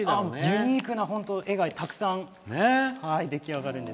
ユニークな絵が、たくさん出来上がるんです。